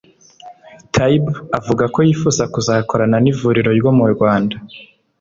Taib avuga ko yifuza kuzakorana n’ivuriro ryo mu Rwanda